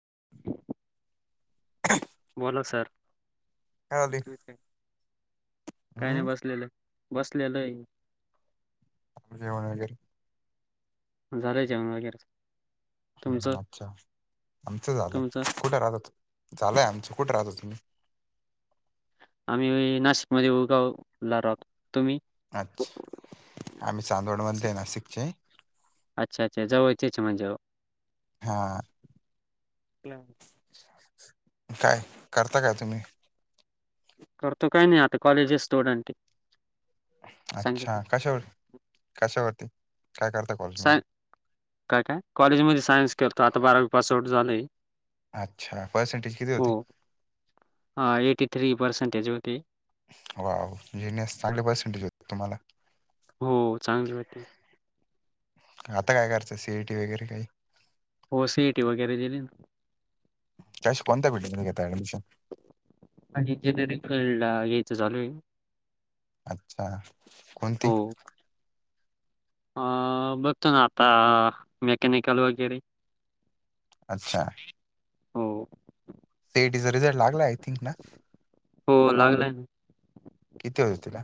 [inaudible] बोला सर काय झाली खूप आहे [unintelligible] काही नाही हम्म बसलेलो बसलेलो मी आ जेवण आहे घरी झालंय जेवण वगैरेच हम् अच्छा आमचं झालंय तुमचं कुठे राहतो झालंय आमचं कुठे राहतो तुम्ही आम्ही नाशिकमध्ये उगावला राहतो तुम्ही [unintelligible] आम्ही चांदवड मधले नाशिकचे अच्छा अच्छा जवळ तेच म्हणजे हा [unintelligible] काय करता काय तुम्ही करतो काही नाही आता कॉलेज स्टुडंट सांगितलं अच्छा कशावर कशावरती काय करता साय कॉलेजमध्ये काय काय कॉलेजमध्ये सायन्स करतो आता बारावी पास आउट झालोय अच्छा पर्सेंटेज किती हो होते हा ऐटी थ्री पसेंटेज [unintelligible] तो [unintelligible] वाव जिनेस चांगले पर्सेंटेज होते तुम्हाला हो चांगली होती आता काय करायचंय सीईटी वगैरे काही हो सिटी वगैरे दिली ना कश कोणता भिड [unintelligible] घेत ऍडमिशन आणि इंजिनियरिंग फीलल्ड ला या्यायचं चालू आहे अच्छा कोणती अं बघतो ना आता मेकॅनिकल वगैरे हो सी आय टी चा रिझल्ट लागला आय थिंक ना हो लागलाय ना. किती होईल तुला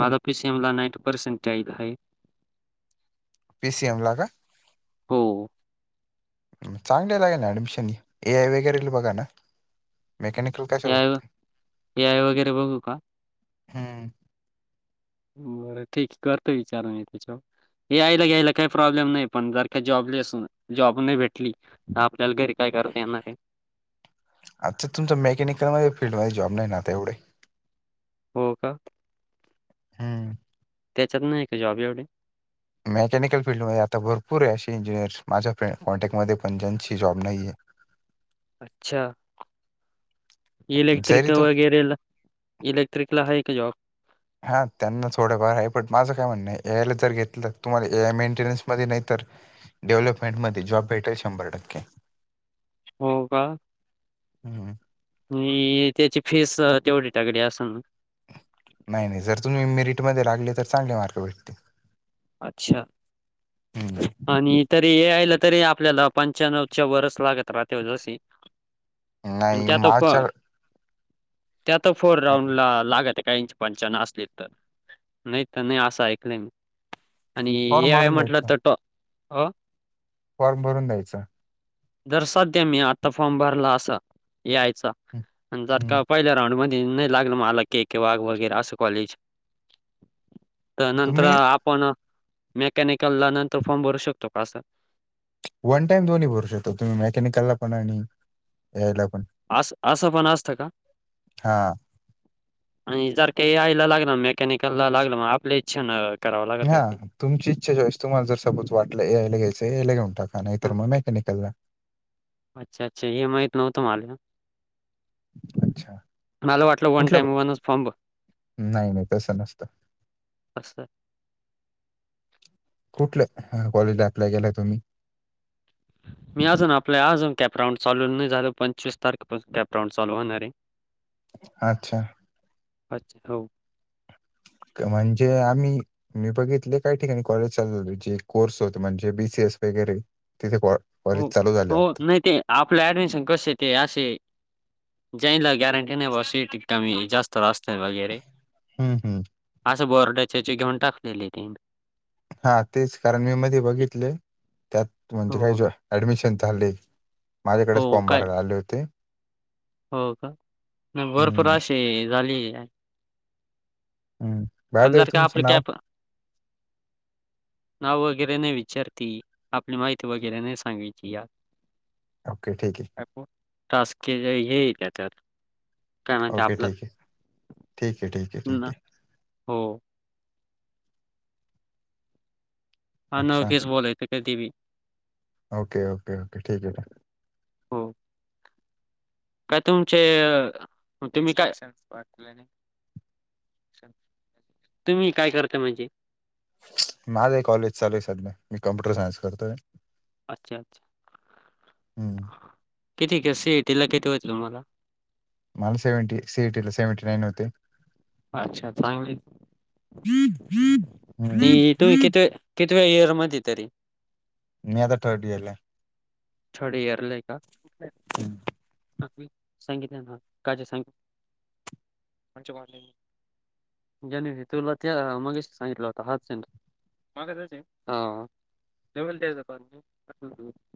मला पी सी ओ ल [unintelligible] नाईंटी पर्सेंटेज् आहे पी सी एम ला का हो. चांगले लागे ना ऍडमिशन ए आय वगैरेला बघा ना? मेकॅनिकल कशाला बघताय ए आय वगैरे बघू का? हम्. बरं ठीक करतो विचार मी त्याच्यावर. ए या ला घ्यायला काही प्रॉब्लेम नाही. पण जर का जॉबलेस हुन जॉब नाही भेटली तर आपल्याला घरी काय करता येणार आहे? अच्छा तुमच मेकॅनिकल म फील्डमध्ये जॉब नाही ना आता एवढे. हो का? हम्म. त्याच्यात नाही का जॉब एवढे? मेकॅनिकल फिल्डमध्ये आता भरपूर आहे अशी इंजिनिअर माझ्या कॉन्टॅक्टमध्ये पण ज्यांची जॉब नाहीय. अच्छा आहे जरी इलेक्ट्रिक तू वगैरेला इलेक्ट्रिकला हाय? का जॉब? हा त्यांना थोडंफार आहे पण माझं काय म्हणणं एआयला जर घेतलं तर तुम्हाला ए आय मेंटेनन्स मध्ये नाही तरर डेव्हलपमेंट मध्ये जॉब भेटेल शंभर टक्के. हो का? हम्म. नी त्याची फीस तेवढी. तगडी असन ना? नाही नाही जर तुम्ही मेरिट मध्ये लागले तर चांगले मार्क भेटतील. अच्छा हम्म. आणि तरी हे ए आय ला तरी आपल्याला पंच्याण्वच्या वरस लागत राहते जशी. नाही माचल. त्योतो फोर राऊंड ला लागत्या. काहीची पंच्यानौ असली तर नाही तर नाही असं ऐकलंय मी. आणि हे ए फॉर्म आय भरून म्हटलं द्यायचा तर टॉ आ? फॉर्म भरून द्यायचा. जर सध्य्या मी आत्ता फॉर्म भरला असा ए आय चा. आणि हम्म. ज पहिल्या राऊंड मध्ये. नाही लागल मलक के के वाघ वगैर अस कॉलेज. त नंतर तुम्ही आप मेकॅनिकल ला नंतर फॉर्म भरू शकतो कां असं? वन टाइम दोन्ही भरू शकतो तुम्ही मेकॅनिकलला पण आणि ए आय ला पण. अस असं पण असत का? हा आणि जर की ए आय ला लागेल मेकॅनिकल लागलं मग आपली इच्छा ना हा तुमची इच्छा चॉईस, तुम्हाला जर सपोज वाटलं ए आय ला घ्यायचं ए आय ला घेऊन टाका नाही. तरर हा मग मेकॅनिकलला अच्छा अच्छा इ माहित नव्हतं मला. अच्छा मला वाटलं वन कुठलं टाइम वनच फर्म नाही नाही तसं नसतं असतं. कुठल्या कॉलेजला अप्लाय केलाय तुम्ही? मी अजून आपल्या अजून कॅपराऊंड चालू नाही झालो. पंचवीस तारखेपासून कॅपराऊंड चालू होणारे. अच्छा. अच्छा हो. म्हणजे आम्ही मी बघितले काही ठिकाणी कॉलेज चाल जे कोर्स होत म्हणजे बीसीएस वगैरे तिथे कॉलेज हो चालू झाले हो आता नाही ते आपलं ऍडमिशन कसे ते असे जाईल गॅरंटी नाही बस सी. इ. टी. का मी जास्त रास्त वगैरे हम्म, हम्म. असं बर [unintelligible] घेऊन टाकलेली तेन. हा तेच कारण मी मध्ये बघितले त्यात म्हणजे काय हो, ऍडमिशन चालेत. माझ्याकडेच हो. फॉर्म काय भरायला आले होते. हो का भरपूर हम्म अशी झाली. ह हम्म बाय द पंधरा वे का तुमचं आपले नाव काय ना होय. वगैरे न विचारती आपली माहिती वगैरे न सांगाची या. ओके ठीक आहे. ॲपवर टास्क के हेे येत्यात. ओके ठीक आहे ठीक आहे ठीक आहे ठीक ना आहे. हो. अच्छा अनोळखीच बोलायचं कधी बी. ओके ओके ओके ठीक आहे. हो. काय तुमचे तुम्ही काय तुम्ही काय करता म्हणजे. माझा कॉलेज चालूय सध्या मी कंम्प्युटर सायंन्स करतोय. अच्छा अच्छा. हम्म. किती सिटी ला किती होते तुम्हाला? मला सेवटी सी. ई. टी. ला सेवंटी नईन होते. अच्छा चांगली. हम्म. नाही तुम्ही किती कितीव्या इयर मध्ये तरी. मी आता थर्ड इयरला आहे. थर्ड इयरला आहे का? हम्म. सांगितले ना का सां जनी तुला त्या मगे सांगितलं होता हात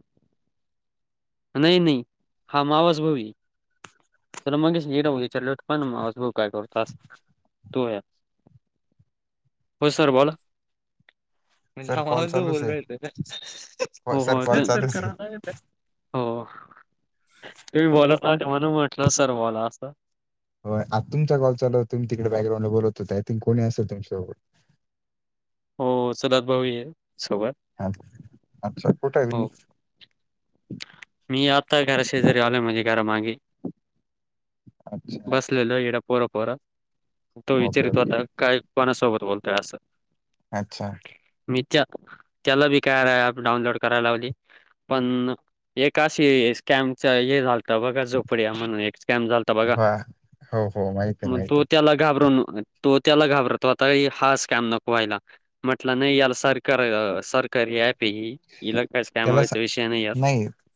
[unintelligible] नाही नाही हा मावासभाऊ त्याला मग विचारले होत पण मावसभाऊ काय करतस तू हो सर बोला. म्हणजे सर कॉल चालूच आहे [unintelligible] हो हो सर कॉल तर चालूच आहे करा येत हो तुम्ही बोलत ना म्हण म्हटलं सर बोला असं. हो आता तुमचा कॉल चालु तुम्ही तिकडे बॅकग्राऊंड बोलत होत आय थिंक कोणी असेल तुमच्याबरोबर. हो चुलत भाऊ आहे. सोबत हा अच्छा कोठ क म हो [inaudible] [inaudible] [inaudible] मी आता घरा शेजारी आवले माझे घरा मागे [inaudible] अच्छा बस ललो ए पर परा [inaudible] [inaudible] तो ओके विचारितो ओके आता काय कोणासोबत बोल त्या असं [inaudible] अच्छा [inaudible] मी त्या त्याला बी काय ॲप डाउनलोड करायला लावली पण [inaudible] एशी स्कॅमच हे झालं [inaudible] [inaudible] ता बघा झोपडया म्हणून एक स्कॅम झाला तर बघा हा हो हो माहिती आहे मग माहिती तो आहे त्याला घाबरून तो त्याला घाबरतो आता हा स्कॅम नको व्हायला म्हटलं नाही याला सरकार सरकारी प [inaudible] इला कायच त्याला काॅमावायचा विषय नाही या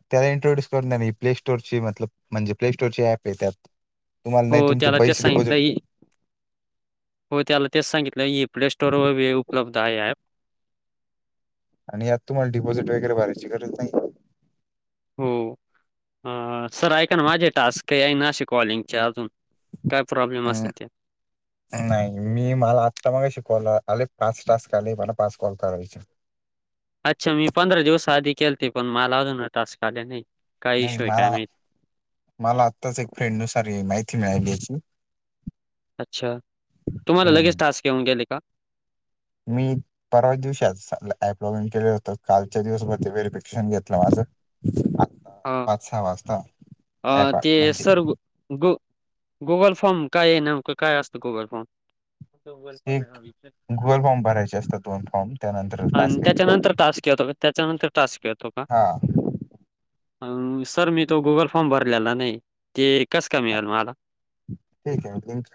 [inaudible] त्याला इंट्रोड्यूस करून द्या मी प्लेस््टोरची म म्हणजे प्लेस्टोर चीऍप आहे त्यात तुम्हाला हो नाही तुमचे त्याला ते पैसे सांगितलं डिपॉझिट हो त्याला तेच सांगितलं ह प्ले सटोर व उपलब्ध आहे ॲप [inaudible] आणि यात तुम्हाला डिपॉझिट वगैरे भरायची गरज नाही [inaudible] [inaudible] हो सर ऐक ना माझे टास्क आहे नाे कॉलिंगचे अजून काय [inaudible] प्रॉब्लेम असेल ते. नाही मी मला आत्ता मग शिकवलं पाच टचका म पाच कॉलता रच [inaudible] खेती पण मा लावत ना टस्काले नाही [inaudible] काय नाही इश्यू आहे काय मला माहित. मला आत्ताच एक फ्रेंड नुसार माहिती मिळा दची [inaudible] [inaudible] अच्छा तुम्हाला हं. लगेच टास्क घेऊन गेले का [inaudible] मी परवा दिवशी ऍप लॉग इन केलेलं होत कालच्या दिवसभरती व्हेरीिफिकेशन घेतलं माझं आता हा वाजता अ ॲप ते म्हणजे सर् ग [inaudible] गुगल फोम काय आहे नमकं काय असतं गुगल फोर्म एक गुगल फॉर्म भरायचे असतात दोन फॉर्म त्यानंतर टास्क आणि घेत त्याच्यानंतर टास्क येतो का त्याच्यानंतर ट कतो का [inaudible] सर मी तो गुगल फॉर्म भरलेला नाही ते कसं का मिळेल मला ठीक आहे लिंक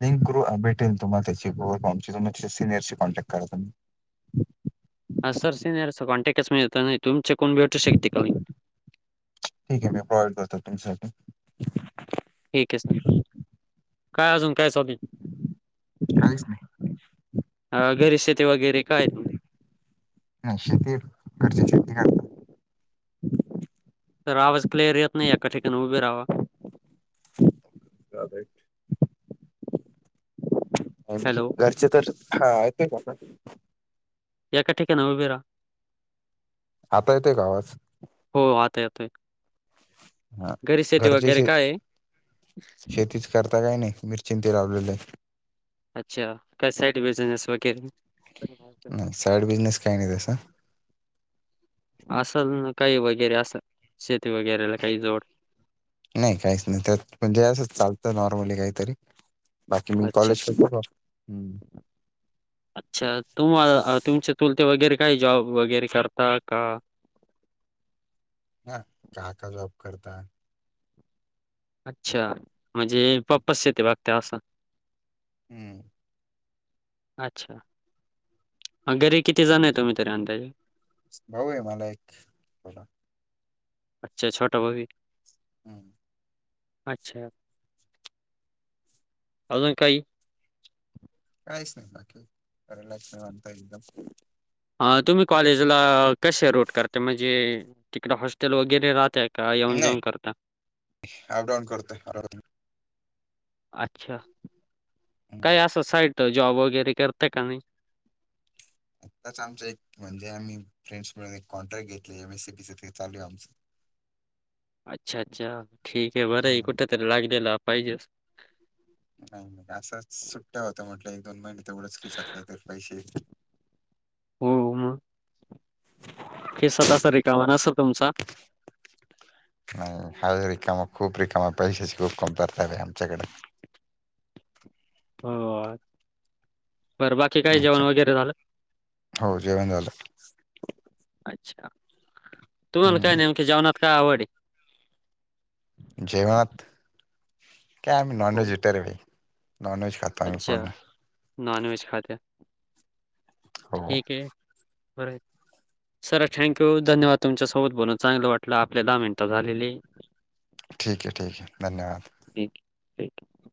लिंक करू भेटेल तुम्हाला त्याची फॉमची तुम्ही त्याच्या सिनियरची कॉन्टॅक्ट करा तुम्ही [inaudible] हा सर सिनियर कॉन्टॅक्टच मिळत नाही तुमचे कोण भेटू शकते कावी ठीक आहे मी प्रोवइड करतो तुमसाठी [inaudible] [inaudible] ठीक आहे सर काय अजून कायसधी [inaudible] काहीच नाही अ घरीश ते वगैरे काय [inaudible] [inaudible] नाही शेती करची शेती करत तर आवाज क्लिअर येत नाही. एका ठिकाणी उभे रावा. करेक्ट. हॅलो घरचे तसेच हा.. येतोय का आता? येका ठिकाणी उभे राहा. आता येतोय का आवाज? हो आता येतोय हा घरी शेती घरचे वगैरे शे काय? शेतीच करता काही नाही मिरचीन ते लावलेलेये. अच्छा.. काही साईड बिझनेस वगैरे? नाही साईड बिझनेस काही नाही तसा असल काही वगैरे अस? शेती वगैरेला काही जोड? नाही काहीच नाही? त्यात म्हणजे.. असंच चालतं नॉर्मली काहीतरी. बाकी मी अच्छा.. कॉलेज करतो हम्म अच्छा तुम्हा.. तुमचे तुलते वगैरे? काही जॉब वगैरे करता.. का? ह.. काका जॉब करता? अच्छा म्हणजे.. पप्पाच शेती बघता अस? हम्म.. अच्छा घरी किती जणय तुम्ही तरी अंदाजे? भाऊये मला एक छोटा. अच्छा छोटा भाऊ हम्म अच्छा अजून काही? काहीच नाही बाकी? रिलॅक्स निवांत एकदम हा तुम्ही कॉलेजला कसे रूट करताय म्हणजे तिकडे हॉस्टेल वगैरे राहताय? नाही अप डाऊन करतोय करतोय अच्छा हम्म. काय असं साईड जॉब वगैरे करता का नाही? आताच आमच एक म्हणजे आम्ही फ्रेंड्स मिळून एक कॉन्ट्रॅक्ट घेतले एम. एस. सी. बी च ते चालूये आमच. अच्छा अच्छा ठीके बरय हम्म. कुठ तरी लागलेल? पाहिजेच. नाही नाही असच सुट्टया होत्या म्हटलं एक-दोन महिने तेवढंच खिशात काहीतरी पैसे हो म खिसा तसा रिकामा नसेल तुमचा? नाही हाय रिकामा खूप रिकामा पैशाची खूप कमतरताये आमच्याकडे. हो बरं बाकी काही जेवण अच्छा वगैरे झाल? हो जेवण झालं अच्छा तुम्हाला काय हम्म. नेमक जेवणात काय आवडयं जेवनातं कायम नन हो. वेज इतरे वेळी. अच्छा नॉन वेज खाता. हो ठीक आहे. बर सर थँकू धन्यवाद तुमच्यासोबत बोलून चांगलं वाटलं आपली दहा मिनटं झालेली. ठीक हे, ठीक हे, धन्यवाद. ठीक आहे.